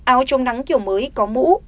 áo chống nắng kiểu mới có mũ